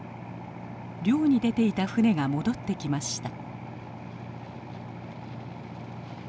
漁に出ていた船が戻ってきました。